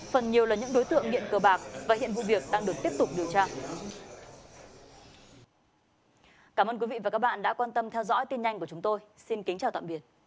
phần nhiều là những đối tượng nghiện cờ bạc và hiện vụ việc đang được tiếp tục điều tra